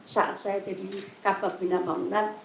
saat saya jadi kabak bina pembangunan